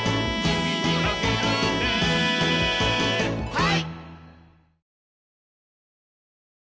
はい！